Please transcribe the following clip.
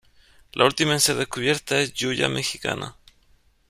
La última en ser descubierta es Gioia mexicana.